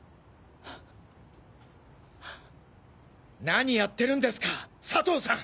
何やってるんですか佐藤さん！